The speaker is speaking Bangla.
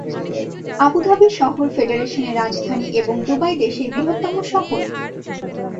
আবু ধাবি শহর ফেডারেশনের রাজধানী এবং দুবাই দেশের বৃহত্তম শহর।